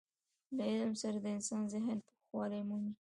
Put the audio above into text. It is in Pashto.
له علم سره د انسان ذهن پوخوالی مومي.